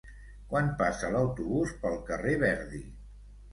Quan passa l'autobús pel carrer Verdi?